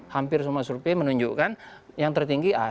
hampir semua survei menunjukkan yang tertinggi